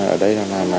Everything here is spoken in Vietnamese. ở đây là